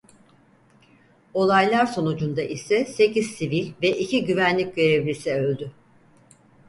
Olaylar sonucunda ise sekiz sivil ve iki güvenlik görevlisi öldü.